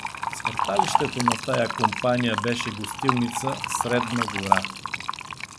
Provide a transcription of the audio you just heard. Свърталището на тая компания беше гостилница „Средна гора“.